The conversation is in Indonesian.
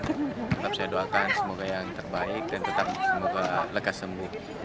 tetap saya doakan semoga yang terbaik dan tetap semoga lekas sembuh